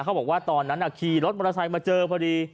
เขาบอกว่าตอนนั้นขี่รถมอเตอร์ไซค์มาเจอพอดี